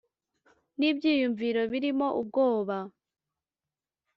N’ibyiyumviro birimo ubwoba